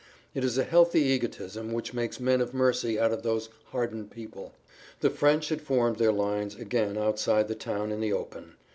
It is a healthy egotism which makes men of mercy out of those hardened people. The French had formed their lines again outside the town in the open.